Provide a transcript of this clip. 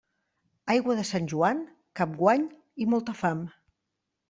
Aigua de Sant Joan, cap guany i molta fam.